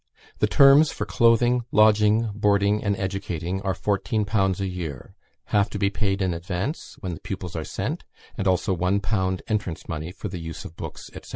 The terms for clothing, lodging, boarding, and educating, are 14_l_. a year; half to be paid in advance, when the pupils are sent; and also 1_l_. entrance money, for the use of books, &c.